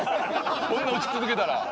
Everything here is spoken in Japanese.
こんな打ち続けたら。